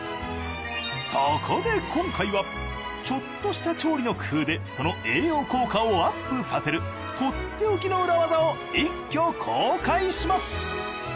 そこで今回はちょっとした調理の工夫でその栄養効果をアップさせるとっておきの裏ワザを一挙公開します。